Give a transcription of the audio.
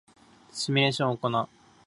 シミュレーションを行う